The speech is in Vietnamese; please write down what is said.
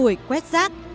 tuổi quét rác